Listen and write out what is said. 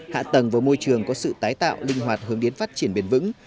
hạ tầng và môi trường có sự tái tạo linh hoạt hướng đến phát triển bền vững